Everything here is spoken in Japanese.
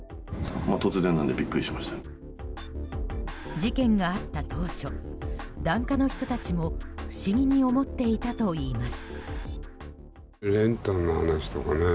事件があった当初檀家の人たちも不思議に思っていたといいます。